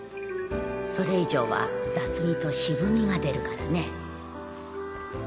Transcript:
それ以上は雑味と渋みが出るからね